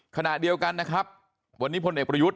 ขณะเดียวกันนะครับวันนี้พลเอกประยุทธ์